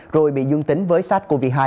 rồi bị dương tính với sars cov hai